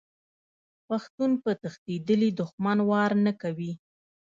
پښتون په تښتیدلي دښمن وار نه کوي.